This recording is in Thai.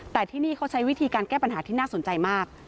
แต่ที่นี่เขาใช้วิธีการแก้ปัญหาที่น่าสนใจมาก